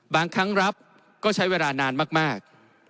บางครั้งรับก็ใช้เวลานานมาก